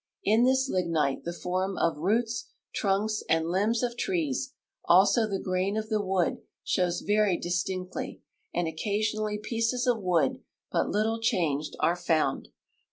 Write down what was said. In this lignite the form of roots, trunks, and limbs of trees, also the grain of the wood, show veiy distinctly, and occasional!}^ pieces of Avood, but little changed, are found.